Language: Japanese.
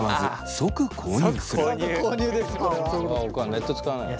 ネット使わないもん。